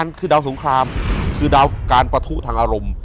อยู่ที่แม่ศรีวิรัยิลครับ